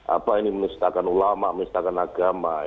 apa ini menistakan ulama menistakan agama